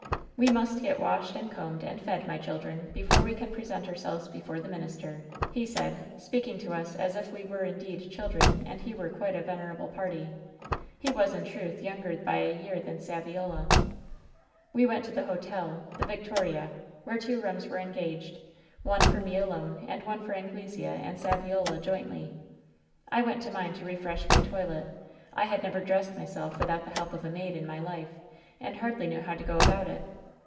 " We must get washed, and combed, and fed, my children, before we can present ourselves before the mitt* ister,' he said, speaking to us as if we were indeed chil dren and he were quite a venerable party. He was, i^ truth, younger by a year than Saviola. "We went to the hotel, the 'Victoria,' where two room?k were engaged — one for me alone, and one for Anglesea and Savialo jointly. "I went to mine to refresh my toilet. I had never dressed myself without the help of a maid in my life, and hardly knew how to go about it.